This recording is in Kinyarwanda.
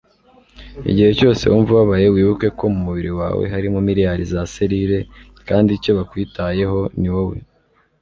igihe cyose wumva ubabaye wibuke ko mu mubiri wawe harimo miliyari za selile kandi icyo bakwitayeho niwowe